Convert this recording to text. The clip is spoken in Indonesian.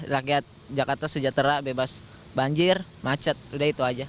rakyat jakarta sejahtera bebas banjir macet udah itu aja